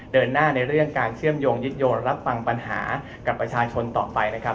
เดินหน้าในเรื่องการเชื่อมโยงยึดโยนรับฟังปัญหากับประชาชนต่อไปนะครับ